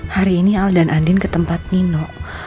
hari ini al dan andin ke tempat nino